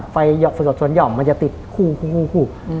ไฟสวนหย่อมมันจะติดคู่